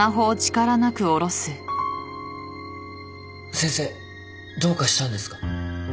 先生どうかしたんですか？